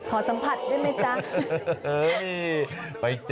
ขอสัมผัสด้วยไหมจ๊ะ